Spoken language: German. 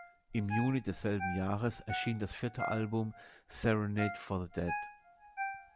Im Juni desselben Jahres erschien das vierte Album „Serenade for the Dead“.